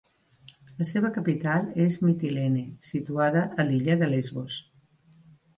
La seva capital és Mitilene, situada a l'illa de Lesbos.